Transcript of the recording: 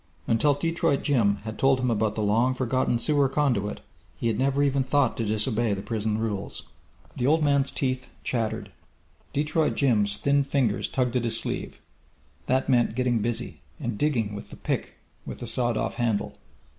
Until Detroit Jim had told him about the long forgotten sewer conduit, he had never even thought to disobey the prison rules. The old man's teeth chattered. Detroit Jim's thin fingers tugged at his sleeve. That meant getting busy, and digging with the pick with the sawed off handle.